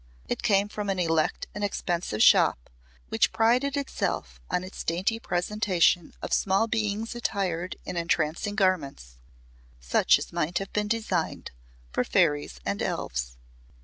It came from an elect and expensive shop which prided itself on its dainty presentation of small beings attired in entrancing garments such as might have been designed for fairies and elves.